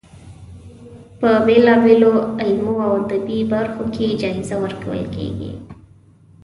په بېلا بېلو علمي او ادبي برخو کې جایزه ورکول کیږي.